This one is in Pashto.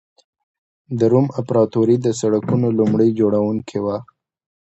د روم امپراتوري د سړکونو لومړي جوړوونکې وه.